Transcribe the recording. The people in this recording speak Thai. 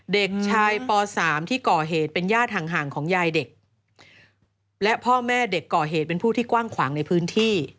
เด็กชายป๓ที่ก่อเหตุเป็นญาติห่างของยายเด็กและพ่อแม่เด็กก่อเหตุเป็นผู้ที่กว้างขวางในพื้นที่